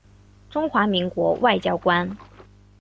中华民国外交官。